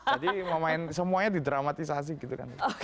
jadi semuanya didramatisasi gitu kan